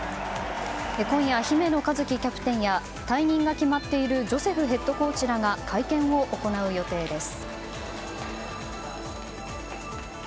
今夜、姫野和樹キャプテンや退任が決まっているジョセフヘッドコーチらが会見を行う予定です。